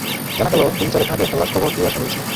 জানা গেল, দিন চারেক আগে একটা লাশ কবর দিয়ে আসা হয়েছে।